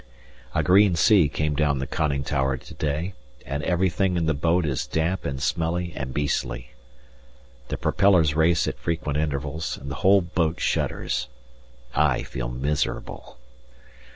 A green sea came down the conning tower to day, and everything in the boat is damp and smelly and beastly. The propellers race at frequent intervals and the whole boat shudders I feel miserable.